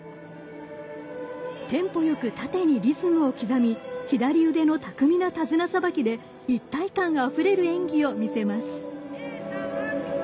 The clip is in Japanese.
テンポよく縦にリズムを刻み左腕の巧みな手綱さばきで一体感あふれる演技を見せます。